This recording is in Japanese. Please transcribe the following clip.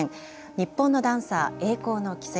日本のダンサー栄光の軌跡」。